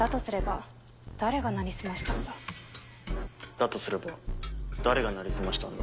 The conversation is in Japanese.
だとすれば誰が成り済ましたんだ？